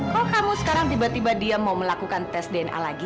kalau kamu sekarang tiba tiba dia mau melakukan tes dna lagi